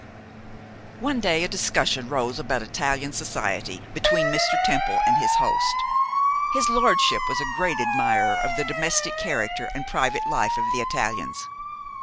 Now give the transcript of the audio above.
One day a discussion rose about Italian society between Mr. Temple and his host. His lordship was a great admirer of the domestic character and private life of the Italians.